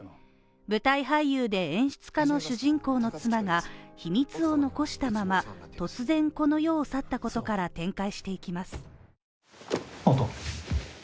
舞台俳優で演出家の主人公の妻が、秘密を残したまま、突然、この世を去ったことから展開していきます。